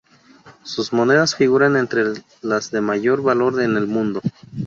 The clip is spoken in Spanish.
Sus monedas figuran entre las de mayor valor en el mundo.